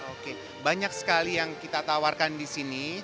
oke banyak sekali yang kita tawarkan di sini